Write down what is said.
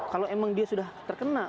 kalau emang dia sudah terkena